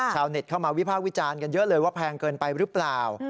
ชาวเน็ตเข้ามาวิภาควิจารณ์กันเยอะเลยว่าแพงเกินไปหรือเปล่า